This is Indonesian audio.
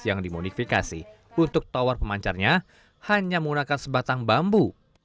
yang dimodifikasi untuk tower pemancarnya hanya menggunakan sebatang bambu